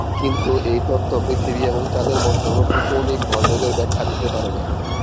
কিন্তু এই তত্ত্ব পৃথিবী এবং চাঁদের মধ্যবর্তী কৌণিক ভরবেগের ব্যাখ্যা দিতে পারে না।